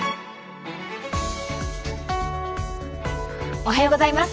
おはようございます。